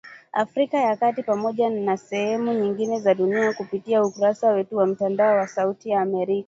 Afrika ya kati Pamoja na sehemu nyingine za dunia kupitia ukurasa wetu wa mtandao wa sauti ya America